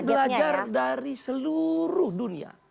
belajar dari seluruh dunia